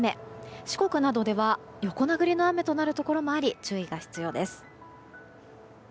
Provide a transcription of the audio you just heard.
四国などでは横殴りの雨となるところもあり注意が必要です。